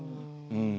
うん。